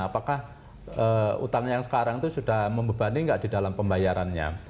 apakah utang yang sekarang itu sudah membebani nggak di dalam pembayarannya